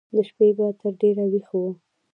د شپې به تر ډېره ويښ و.